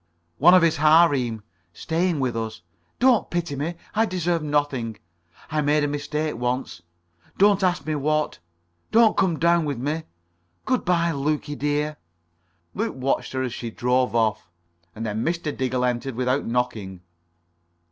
"One of his harem. Staying with us. Don't pity me. I deserve nothing. I made a mistake once. Don't ask me what. Don't come down with me. Good bye, Lukie, dear." Luke watched her as she drove off. And then Mr. Diggle entered without knocking.